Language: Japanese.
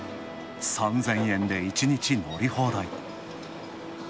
３０００円で１日乗り放題。